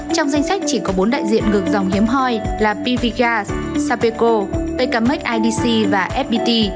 trong danh sách chỉ có bốn đại diện ngược dòng hiếm hoi là pvgas sapeco pekamex idc và fpt